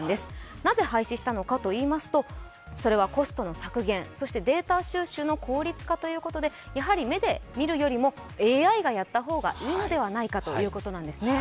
なぜ廃止したのかといいますと、コストの削減、データ収集の効率化ということで目で見るよりもＡＩがやった方がいいのではないかということなんですね。